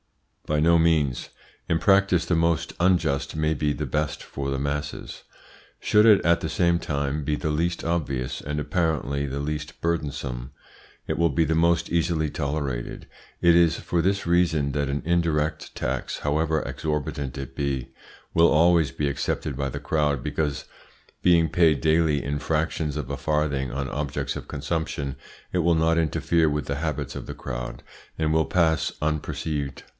By no means. In practice the most unjust may be the best for the masses. Should it at the same time be the least obvious, and apparently the least burdensome, it will be the most easily tolerated. It is for this reason that an indirect tax, however exorbitant it be, will always be accepted by the crowd, because, being paid daily in fractions of a farthing on objects of consumption, it will not interfere with the habits of the crowd, and will pass unperceived.